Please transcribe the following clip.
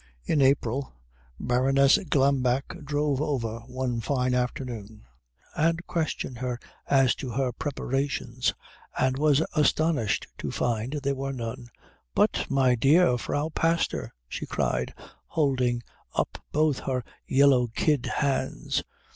In April Baroness Glambeck drove over one fine afternoon and questioned her as to her preparations, and was astonished to find there were none. "But, my dear Frau Pastor!" she cried, holding up both her yellow kid hands.